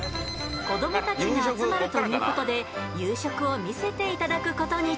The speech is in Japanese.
子どもたちが集まるという事で夕食を見せていただく事に。